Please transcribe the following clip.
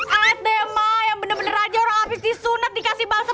alas deh ma yang bener bener aja orang habis disunat dikasih balsam